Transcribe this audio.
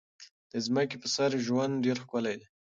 د ځمکې په سر ژوند ډېر ښکلی دی.